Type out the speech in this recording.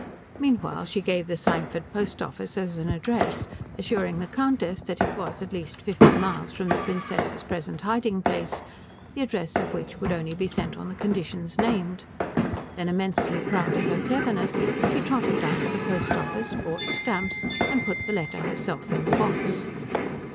Meanwhile she gave the Symford post office as an address, assuring the Countess that it was at least fifty miles from the Princess's present hiding place, the address of which would only be sent on the conditions named. Then, immensely proud of her cleverness, she trotted down to the post office, bought stamps, and put the letter herself in the box.